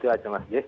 itu saja mas j